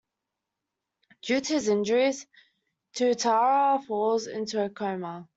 Due to his injuries, Tuatara falls into a coma.